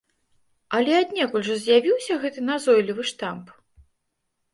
Але аднекуль жа з'явіўся гэты назойлівы штамп?